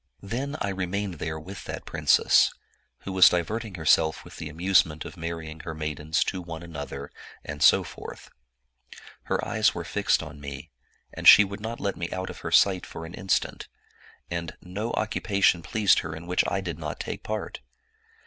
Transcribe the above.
" Then I remained there with that princess, who was di verting herself with the amusement of marrying her maid ens to one another, and so forth. Her eyes were fixed on me, and she would not let me out of her sight for an instant, and no occupation pleased her in which I did not take part.